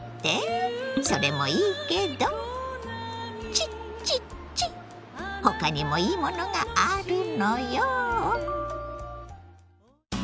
それもいいけどチッチッチッ他にもいいものがあるのよ。